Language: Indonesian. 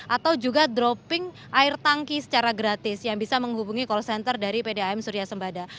atau juga dropping air tangki secara gratis yang bisa menghubungi call center dari pdam surya sembada